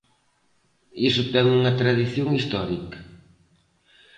Iso ten unha tradición histórica.